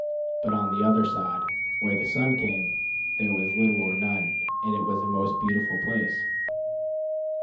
But on the other side, where the sun came, there was little or none, and it was a most beautiful place.